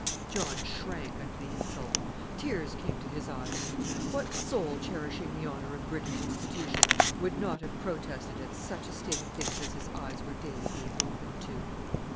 John shrank under the insult. Tears came to his eyes. What soul cherishing the honour of British institutions would not have protested at such a state of things as his eyes were daily being opened to?